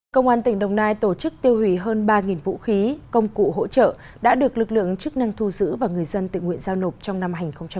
công an tỉnh đồng nai tổ chức tiêu hủy hơn ba vũ khí công cụ hỗ trợ đã được lực lượng chức năng thu giữ và người dân tự nguyện giao nộp trong năm hai nghìn một mươi chín